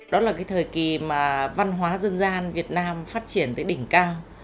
đó là cái thời kỳ mà văn hóa dân gian việt nam phát triển tới đỉnh cao